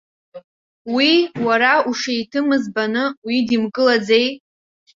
Уи, уара ушеҭымыз баны уидимкылаӡеи?